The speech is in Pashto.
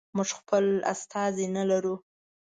موږ خپل استازی نه لرو.